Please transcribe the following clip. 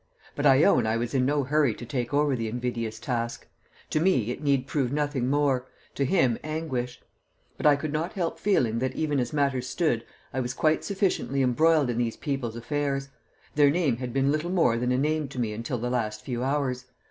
But I own I was in no hurry to take over the invidious task. To me it need prove nothing more; to him, anguish; but I could not help feeling that even as matters stood I was quite sufficiently embroiled in these people's affairs. Their name had been little more than a name to me until the last few hours.